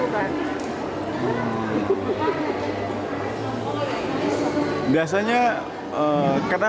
yang lupa harus asli lupa